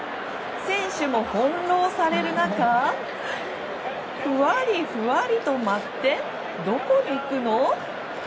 選手も翻弄される中ふわりふわりと舞ってどこ行くの？